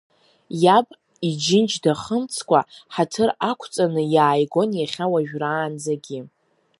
Иаб иџьынџь дахымҵкәа, ҳаҭыр ақәҵаны иааигон иахьа уажәраанӡагьы.